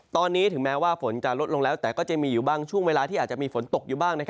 ตอนนี้ถึงแม้ว่าฝนจะลดลงแล้วแต่ก็จะมีอยู่บ้างช่วงเวลาที่อาจจะมีฝนตกอยู่บ้าง